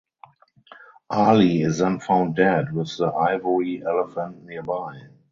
Ali is then found dead with the ivory elephant nearby.